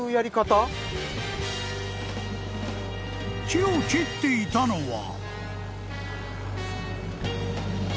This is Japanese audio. ［木を切っていたのは］